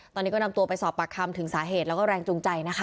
ตอนนี้ก็นำตัวไปสอบปากคำถึงสาเหตุแล้วก็แรงจูงใจนะคะ